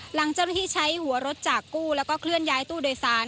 หลังจากที่ใช้หัวรถจากกู้และเคลื่อนย้ายตู้โดยสาร